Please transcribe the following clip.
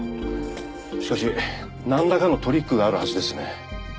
しかし何らかのトリックがあるはずですね。